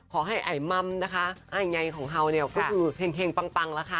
ไอมัมนะคะไอไงของเฮาเนี่ยก็คือเห็งปังแล้วค่ะ